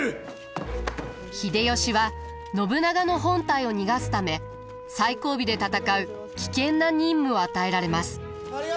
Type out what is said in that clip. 秀吉は信長の本隊を逃がすため最後尾で戦う危険な任務を与えられます。